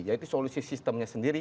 yaitu solusi sistemnya sendiri